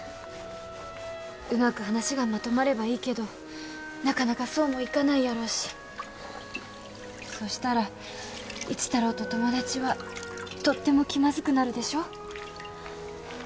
うまく話がまとまればいいけどなかなかそうもいかないやろうしそしたら一太郎と友達はとっても気まずくなるでしょ？